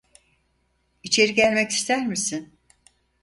İçeri gelmek ister misin?